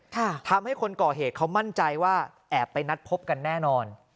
ทำให้คนก่อเหตุเขามั่นใจว่าแอบไปนัดพบกันแน่นอน